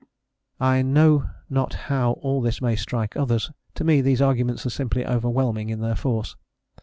I know not how all this may strike others; to me these arguments are simply overwhelming in their force.